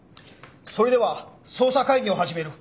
それでは捜査会議を始める。